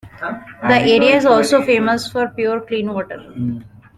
The area is also famous for pure, clean water.